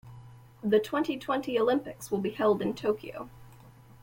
The twenty-twenty Olympics will be held in Tokyo.